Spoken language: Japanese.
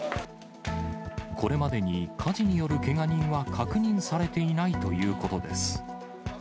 これまでに火事によるけが人は確認されていないということです。